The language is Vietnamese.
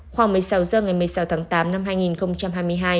khoảng một mươi sáu h ngày một mươi sáu tháng tám năm hai nghìn hai mươi hai